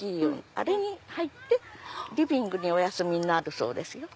あれに入ってリビングでおやすみになるそうですよ。